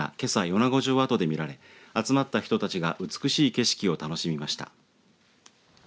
米子城跡で見られ集まった人たちが美しい景色を楽しみました。